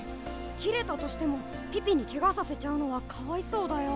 切れたとしてもピピにケガさせちゃうのはかわいそうだよ。